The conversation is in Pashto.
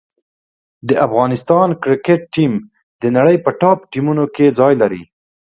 د افغانستان کرکټ ټیم د نړۍ په ټاپ ټیمونو کې ځای لري.